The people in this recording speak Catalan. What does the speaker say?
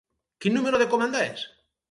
Quin número de comanda és?